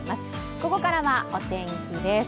ここからはお天気です。